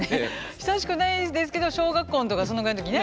久しくないですけど小学校とかそのぐらいの時ね。